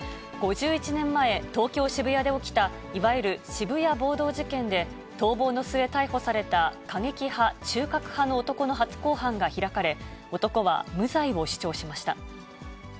５１年前、東京・渋谷で起きた、いわゆる渋谷暴動事件で、逃亡の末、逮捕された、過激派、中核派の男の初公判が開かれ、男は無罪を主張しました。